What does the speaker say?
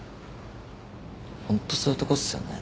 ホントそういうとこっすよね。